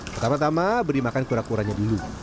pertama tama beri makan kura kuranya dulu